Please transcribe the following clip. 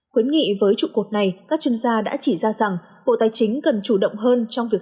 quyến nghị với trụ cột này các chuyên gia đã chỉ ra rằng bộ tài chính cần chủ động hơn trong việc